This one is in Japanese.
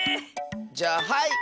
じゃあはい！